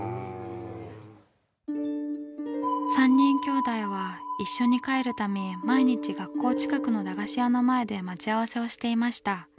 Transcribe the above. ３人きょうだいは一緒に帰るため毎日学校近くの駄菓子屋の前で待ち合わせをしていました。